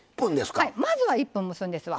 まずは１分、蒸すんですわ。